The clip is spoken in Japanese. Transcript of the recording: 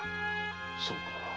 そうか。